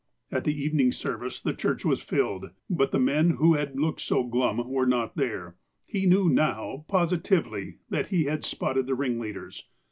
At the evening service the church was filled ; but the men who had looked so glum were not there. He knew now positively that he had spotted the ringleaders.